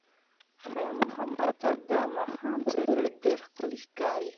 خیر محمد ته د ماښام ستوري ډېر ښکلي ښکارېدل.